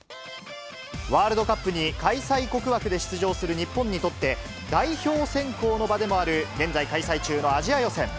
ワールドカップに開催国枠で出場する日本にとって、代表選考の場でもある、現在開催中のアジア予選。